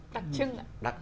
đặc trưng ạ